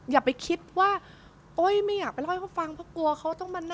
อย่าไปคิดว่าโอ๊ยไม่อยากไปเล่าให้เขาฟังเพราะกลัวเขาต้องมานั่ง